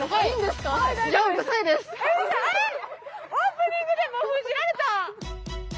オープニングでもう封じられた！